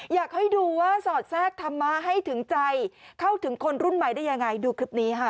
อยากให้ดูว่าสอดแทรกธรรมะให้ถึงใจเข้าถึงคนรุ่นใหม่ได้ยังไงดูคลิปนี้ค่ะ